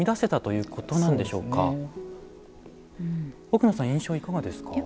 奥野さん印象いかがですか？